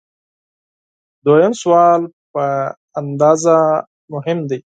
دوهم سوال په اندازه مهم دی.